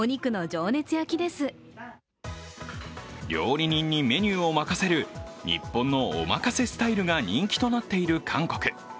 料理人にメニューを任せる日本のおまかせスタイルが人気となっている韓国。